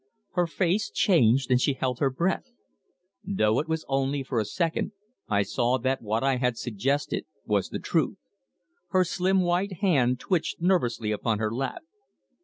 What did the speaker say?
Her face changed, and she held her breath. Though it was only for a second I saw that what I had suggested was the truth. Her slim white hand twitched nervously upon her lap.